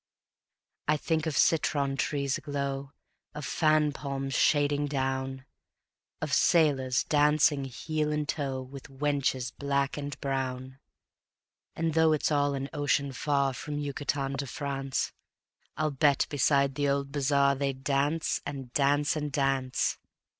I think of citron trees aglow, Of fan palms shading down, Of sailors dancing heel and toe With wenches black and brown; And though it's all an ocean far From Yucatan to France, I'll bet beside the old bazaar They dance and dance and dance.